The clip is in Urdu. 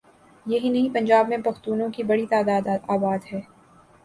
یہی نہیں پنجاب میں پختونوں کی بڑی تعداد آباد ہے۔